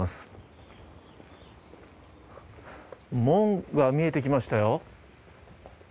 門が見えてきましたよ。